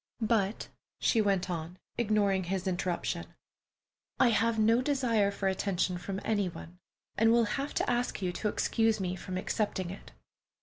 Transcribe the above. "But," she went on, ignoring his interruption, "I have no desire for attention from any one, and will have to ask you to excuse me from accepting it."